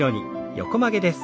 横曲げです。